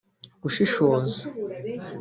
gushishoza